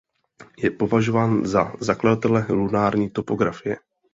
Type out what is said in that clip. Je považován za zakladatele lunární topografie.